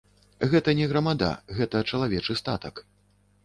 Гэта не грамада, гэта чалавечы статак.